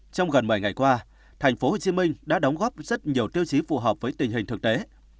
trong gần một mươi ngày qua tp hcm đã đóng góp rất nhiều tiêu chí phù hợp với tình hình thực tế